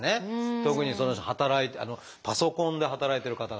特にその人働いてパソコンで働いてる方々は。